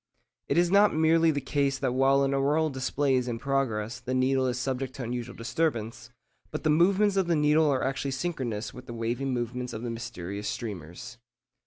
It is not merely the case that while an auroral display is in progress the needle is subject to unusual disturbance, but the movements of the needle are actually synchronous with the waving movements of the mysterious streamers.